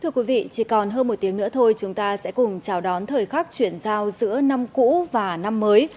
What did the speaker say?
thưa quý vị chỉ còn hơn một tiếng nữa thôi chúng ta sẽ cùng chào đón thời khắc chuyển giao giữa năm cũ và năm mới